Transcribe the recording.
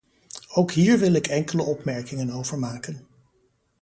Ook hier wil ik enkele opmerkingen over maken.